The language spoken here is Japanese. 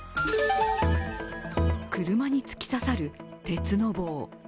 車に突き刺さる鉄の棒。